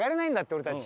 俺たち。